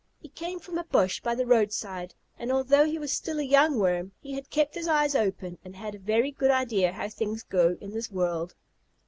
He came from a bush by the roadside, and although he was still a young Worm he had kept his eyes open and had a very good idea how things go in this world.